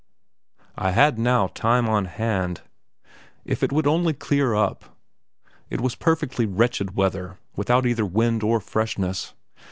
I had now time on hand! If it would only clear up! It was perfectly wretched weather, without either wind or freshness.